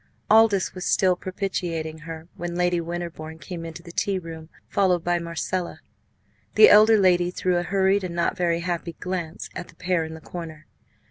Aldous was still propitiating her, when Lady Winterbourne came into the tea room, followed by Marcella. The elder lady threw a hurried and not very happy glance at the pair in the corner.